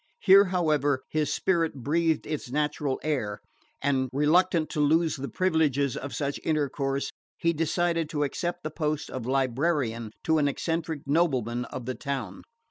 Here, however, his spirit breathed its natural air, and reluctant to lose the privileges of such intercourse he decided to accept the post of librarian to an eccentric nobleman of the town.